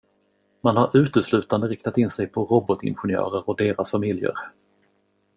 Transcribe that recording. Man har uteslutande riktat in sig på robotingenjörer och deras familjer.